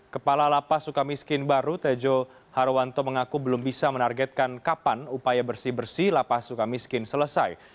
kepala lapas suka miskin baru tejo harwanto mengaku belum bisa menargetkan kapan upaya bersih bersih lapas suka miskin selesai